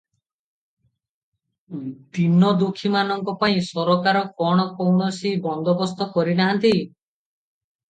ଦୀନଦୁଃଖୀ-ମାନଙ୍କ ପାଇଁ ସରକାର କଣ କୌଣସି ବନ୍ଦୋବସ୍ତ କରିନାହାନ୍ତି?